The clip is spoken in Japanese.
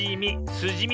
すじみね。